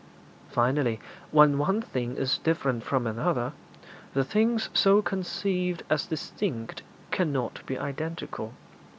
Finally, when one thing is different from another, the things so conceived as distinct cannot be identical.